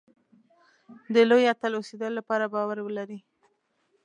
د لوی اتل اوسېدلو لپاره باور ولرئ.